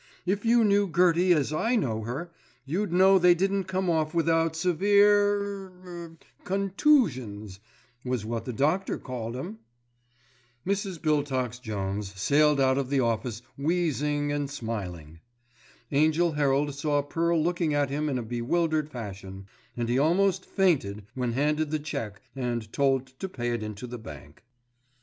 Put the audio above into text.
If you knew Gertie as I know her, you'd know they didn't come off without severe er—er—contoosions, was what the doctor called 'em." Mrs. Biltox Jones sailed out of the office wheezing and smiling. Angell Herald saw Pearl looking at him in a bewildered fashion, and he almost fainted when handed the cheque and told to pay it into the bank.